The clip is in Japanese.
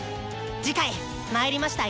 次回「魔入りました！